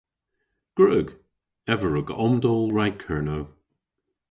Gwrug. Ev a wrug omdowl rag Kernow.